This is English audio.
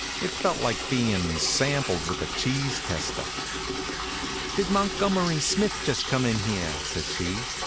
It felt like bein' sampled with a cheese tester. "Did Montgomery Smith just come in here?" says she.